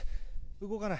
動かない。